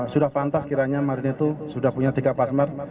sudah pantas kiranya marinir itu sudah punya tiga pasmar